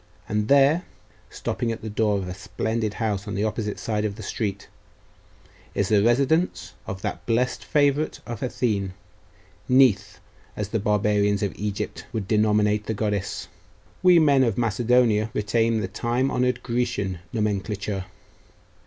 And here,' stopping at the door of a splendid house on the opposite side of the street, 'is the residence of that blest favourite of Athene Neith, as the barbarians of Egypt would denominate the goddess we men of Macedonia retain the time honoured Grecian nomenclature....